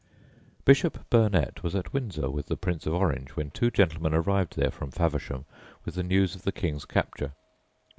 Bishop Burnet was at Windsor with the Prince of Orange when two gentlemen arrived there from Faversham with the news of the King's capture.